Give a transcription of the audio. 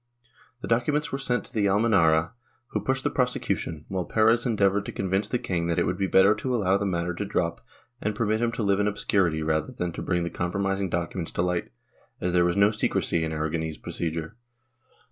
The documents were sent to Almenara, who pushed the prosecution, while Perez endeavored to convince the king that it would be better to allow the matter to drop and permit him to live in obscurity rather than to bring the compromising documents to light, as there was no secrecy in Aragonese procedure.